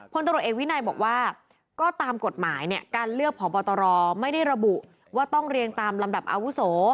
พลตรวจเอกวินัยบอกว่าก็ตามกฎหมายเนี่ยการเลือกผอบตรไม่ได้ระบุว่าต้องเรียงตามลำดับอาวุโส